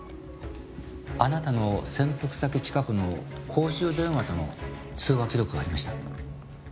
あなたの潜伏先近くの公衆電話との通話記録がありました。